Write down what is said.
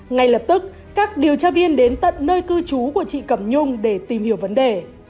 ngay lập tức các điều tra viên đến tận nơi cư trú của chị cẩm nhung để tìm hiểu vấn đề